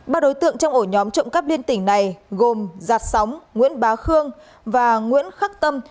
ba đối tượng trong ổ nhóm trộm cắp liên tỉnh này gồm giạt sóng nguyễn bá khương và nguyễn khắc tâm